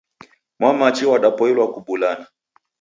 Mwamachi wadapoilwa kubulana.